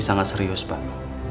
sangat serius pak